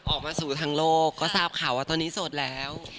ออกมาสู่ทางโลกก็ทราบข่าวว่าตอนนี้โสดแล้ว